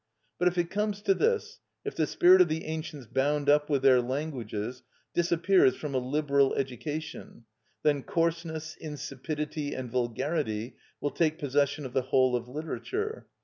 But if it comes to this, if the spirit of the ancients bound up with their languages disappears from a liberal education, then coarseness, insipidity, and vulgarity will take possession of the whole of literature.